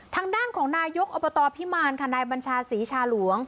ทางด้านของนายกอบตพิมารค่ะนายบัญชาศรีชาหลวง